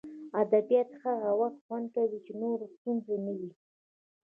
ادبیات هغه وخت خوند کوي چې نورې ستونزې نه وي